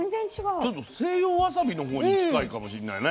ちょっと西洋わさびのほうに近いかもしんないね。